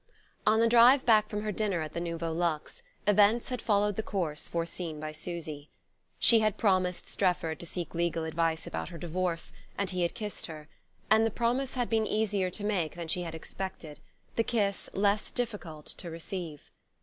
ON the drive back from her dinner at the Nouveau Luxe, events had followed the course foreseen by Susy. She had promised Strefford to seek legal advice about her divorce, and he had kissed her; and the promise had been easier to make than she had expected, the kiss less difficult to receive.